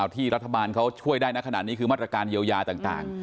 ที่รัฐบาลเขาช่วยได้นะขนาดนี้คือมาตรการเยียวยาต่าง